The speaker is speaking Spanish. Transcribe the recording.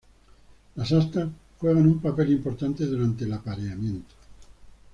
Las astas juegan un papel importante durante el apareamiento.